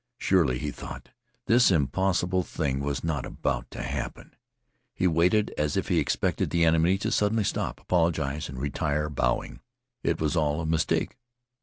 Surely, he thought, this impossible thing was not about to happen. He waited as if he expected the enemy to suddenly stop, apologize, and retire bowing. It was all a mistake.